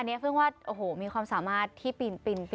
อันนี้เพิ่งว่าโอ้โหมีความสามารถที่ปีน